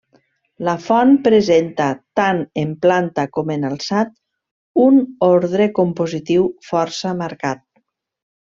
La font presenta tant en planta com en alçat un ordre compositiu força marcat.